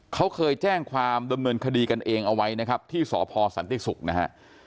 เขาเคยแจ้งความดำเนินคดีกันเองเอาไว้นะครับที่สพสันติศุกร์นะฮะ